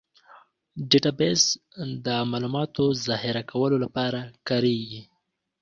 ډیټابیس د معلوماتو ذخیره کولو لپاره کارېږي.